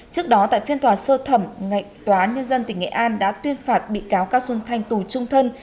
trước đó tại phiên tòa sơ thẩm tòa án nhân dân tỉnh nghệ an đã tuyên phạt bị cáo cao xuân thanh tù trung thân